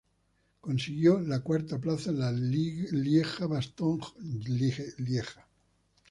Consiguió la cuarta plaza en la Lieja-Bastogne-Lieja.